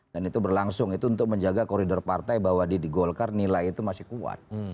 dan itu berlangsung itu untuk menjaga koridor partai bahwa di golkar nilai itu masih kuat